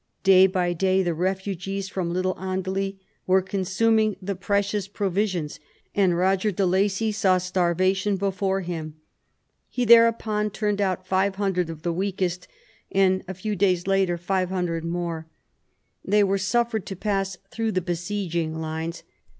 Day by day the refugees from Little Andely were consuming the precious provisions, and Eoger de Lacy saw starvation before him. He thereupon turned out 500 of the weakest, and a few days later 500 more. They were in THE FALL OF THE ANGEVINS 77 suffered to pass through the besieging lines.